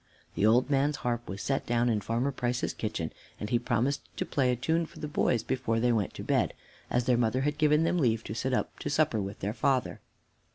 The old man's harp was set down in Farmer Price's kitchen, and he promised to play a tune for the boys before they went to bed, as their mother had given them leave to sit up to supper with their father.